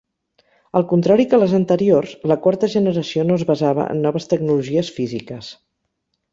Al contrari que les anteriors, la quarta generació no es basava en noves tecnologies físiques.